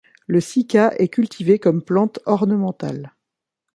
Le cycas est cultivé comme plante ornementale.